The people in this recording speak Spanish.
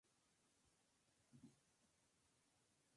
El tipo de letra fue elegido por un trabajador de la casa discográfica.